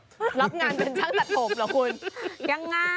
รับงานเป็นช่างตัดผมเหรอคุณยังไง